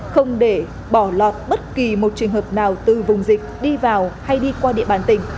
không để bỏ lọt bất kỳ một trường hợp nào từ vùng dịch đi vào hay đi qua địa bàn tỉnh